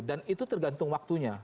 dan itu tergantung waktunya